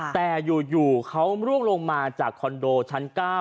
แต่อยู่เขาร่วงลงมาจากคอนโดชั้น๙